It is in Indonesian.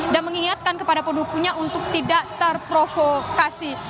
dan mengingatkan kepada pendukungnya untuk tidak terprovokasi